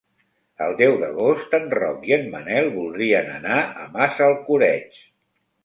El deu d'agost en Roc i en Manel voldrien anar a Massalcoreig.